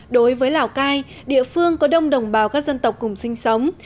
đối với lào cai địa phương có đông đồng bào các dân tộc cùng sinh sống